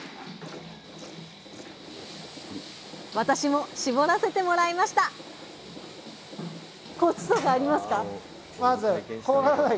私もしぼらせてもらいましたはい。